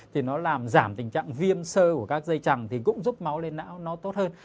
thì nó làm giảm tình trạng viêm sơ của các dây chẳng thì cũng giúp máu lên não nó tốt hơn